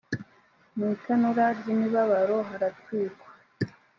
mu itanura ry imibabaro haratwikwa